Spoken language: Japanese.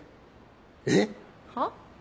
えっ？はあ？